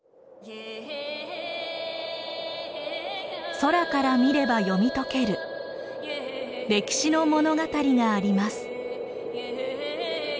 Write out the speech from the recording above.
空から見れば読み解ける歴史の物語があります。